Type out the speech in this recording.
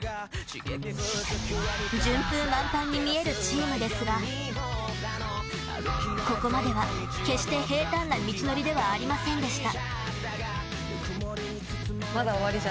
順風満帆に見えるチームですがここまでは決して平たんな道のりではありませんでした。